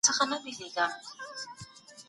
مور ماشوم ته هره ورځ درس ورکوي.